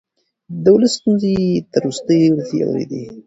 د ولس ستونزې يې تر وروستۍ ورځې اورېدې.